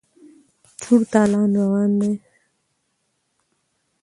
چور تالان روان دی.